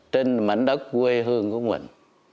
trên mảnh đất quê hương của mình